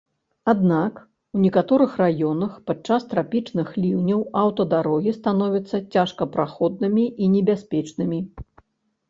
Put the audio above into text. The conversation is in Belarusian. Аднак, у некаторых раёнах падчас трапічных ліўняў аўтадарогі становяцца цяжкапраходнымі і небяспечнымі.